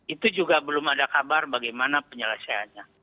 itu juga belum ada kabar bagaimana penyelesaiannya